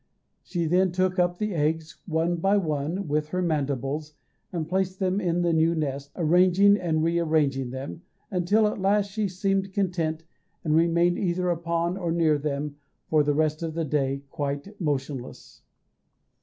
She then took up the eggs, one by one, with her mandibles, and placed them in the new nest, arranging and rearranging them, until at last she seemed content, and remained either upon or near them for the rest of the day, quite motionless.